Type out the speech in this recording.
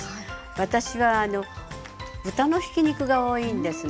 私は豚のひき肉が多いんですね。